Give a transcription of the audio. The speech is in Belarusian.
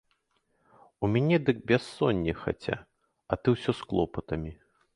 У мяне дык бяссонне хаця, а ты ўсё з клопатамі.